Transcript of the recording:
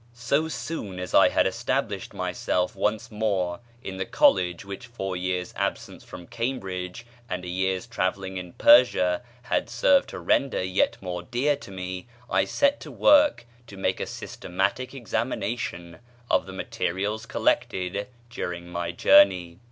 So soon as I had established myself once more in the college which four years' absence from Cambridge and a year's travelling in Persia had served to render yet more dear to me, I set to work to make a systematic examination of the materials collected during my journey.